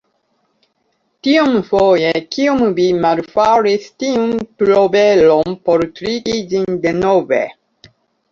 Tiomfoje kiom vi malfaris tiun puloveron por triki ĝin denove.